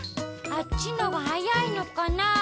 あっちのがはやいのかな。